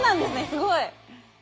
すごい。